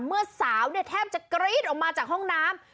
เมื่อสาวเนี่ยแทบจะกรี๊ดออกมาจากห้องน้ำ